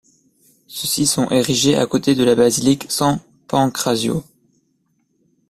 Ceux-ci sont érigés à côté de la basilique San Pancrazio.